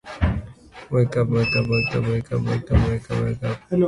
The inn currently serves as the private residence of Thomas Kipps of Capon Bridge.